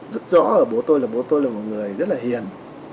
rất rõ ở bố tôi là bố tôi là một người rất là hiền